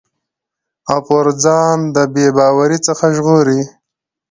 او پر ځان د بې باورٸ څخه ژغوري